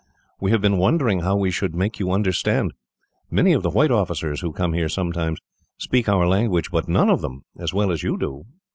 "We have been wondering how we should make you understand. Many of the white officers, who come here sometimes, speak our language, but none of them as well as you do."